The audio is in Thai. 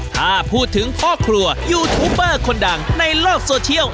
ถ้าพูดถึงพ่อครัวยูทูบเบอร์คนดังในโลกโซเชียล